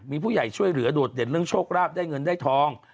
มีผู้ใหญ่ช่วยเหลือโดดเด่นเรื่องโชคราบได้เงินได้ทอง